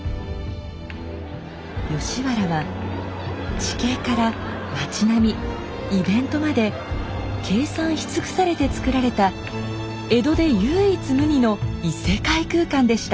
吉原は地形から町並みイベントまで計算し尽くされてつくられた江戸で唯一無二の異世界空間でした。